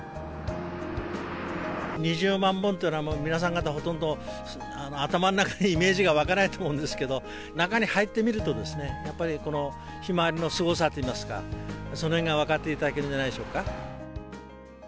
２０万本っていうのは、皆さん方、ほとんど頭の中にイメージが湧かないと思うんですけど、中に入ってみるとですね、やっぱりこのひまわりのすごさといいますか、そのへんが分かっていただけるんじゃないでしょうか。